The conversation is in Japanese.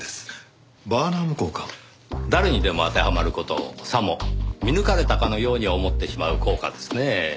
誰にでも当てはまる事をさも見抜かれたかのように思ってしまう効果ですねぇ。